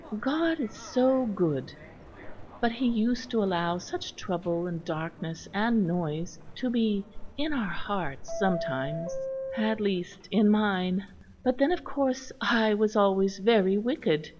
God is so good. But He used to allow such trouble and darkness and noise to be in our hearts sometimes at least in mine. But then of course I was always very wicked.